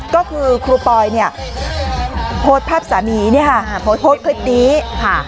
ก็คือครูปอยเนี่ยโพสต์ภาพสามีเนี่ยค่ะโพสต์โพสต์คลิปนี้ค่ะ